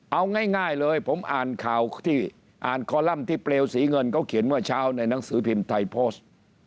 เอาง่ายเลยผมอ่านข่าวที่อ่านคอลัมป์ที่เปลวสีเงินเขาเขียนเมื่อเช้าในหนังสือพิมพ์ไทยโพสต์